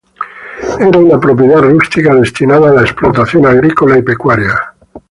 Era una propiedad rústica destinada a la explotación agrícola y pecuaria.